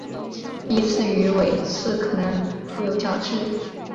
臀刺与尾刺可能覆有角质。